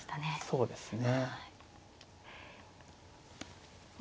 そうですね。